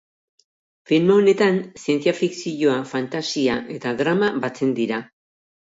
Film honetan, zientzia fikzioa, fantasia eta drama batzen dira.